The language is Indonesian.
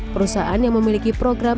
perusahaan yang memiliki program